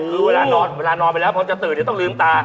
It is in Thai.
คือเวลานอนไปแล้วพอจะตื่นเนี่ยต้องลืมตา